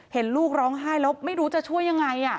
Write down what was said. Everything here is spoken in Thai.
เห็นลูกร้องไห้แล้วไม่รู้จะช่วยยังไง